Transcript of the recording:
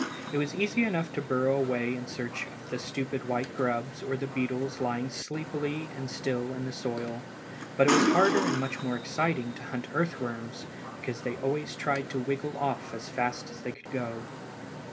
It was easy enough to burrow away in search of the stupid white grubs or the beetles lying sleepy and still in the soil; but it was harder and much more exciting to hunt earthworms, because they always tried to wriggle off as fast as they could go.